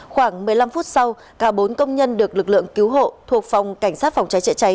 khoảng một mươi năm phút sau cả bốn công nhân được lực lượng cứu hộ thuộc phòng cảnh sát phòng trái trẻ trái